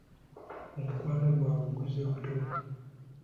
Omukwano gwabwe guzze buto.